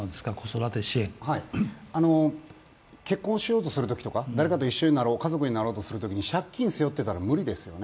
結婚しようとするとき、誰かと一緒になろう、家族になろうとするとき、借金背負ってたら無理ですよね